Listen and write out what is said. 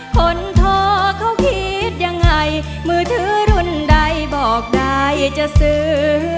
คนโทรเขาคิดยังไงมือถือรุ่นใดบอกได้จะซื้อ